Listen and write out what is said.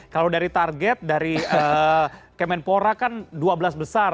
kalau dari target dari kemenpora kan dua belas besar